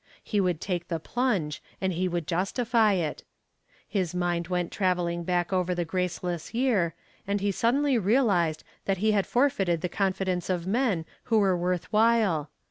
He would take the plunge and he would justify it. His mind went traveling back over the graceless year, and he suddenly realized that he had forfeited the confidence of men who were worth while.